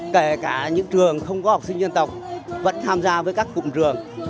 kể cả những trường không có học sinh dân tộc vẫn tham gia với các cụm trường